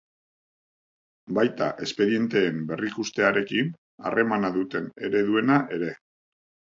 Baita espedienteen berrikustearekin harremana duten ereduena ere.